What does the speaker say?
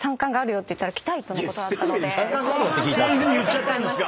そういうふうに言っちゃったんですか。